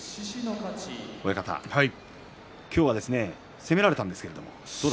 親方、今日は攻められたんですけどね。